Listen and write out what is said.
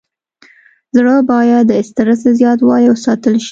زړه باید د استرس له زیاتوالي وساتل شي.